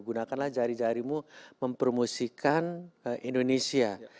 gunakanlah jari jarimu mempromosikan indonesia